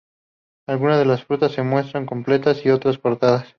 Algunas de las frutas se muestran completas y otras cortadas.